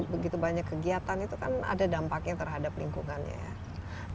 begitu banyak kegiatan itu kan ada dampaknya terhadap lingkungannya ya